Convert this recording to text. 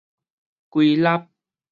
歸納